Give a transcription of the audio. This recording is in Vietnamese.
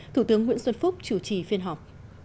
thủ tướng nguyễn xuân phúc chủ trì phiên họp